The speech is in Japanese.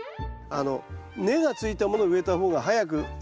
根がついたものを植えた方が早く根づきますよね。